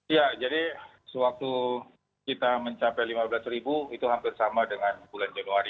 ya jadi sewaktu kita mencapai lima belas ribu itu hampir sama dengan bulan januari dua ribu dua puluh satu